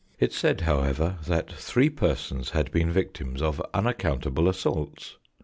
It said, however, that three persons had been victims of unaccountable assaults.